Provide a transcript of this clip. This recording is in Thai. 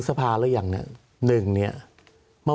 สวัสดีครับทุกคน